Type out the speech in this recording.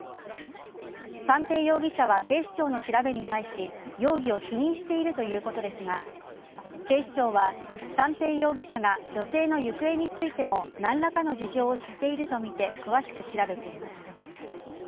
三瓶容疑者は警視庁の調べに対し容疑を否認しているということですが警視庁は三瓶容疑者が女性の行方についても何らかの事情を知っているとみて詳しく調べています。